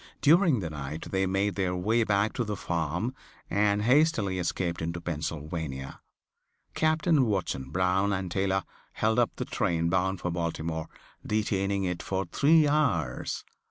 During the night they made their way back to the farm and hastily escaped into Pennsylvania. Captain Watson Brown and Taylor held up the train bound for Baltimore, detaining it for three hours.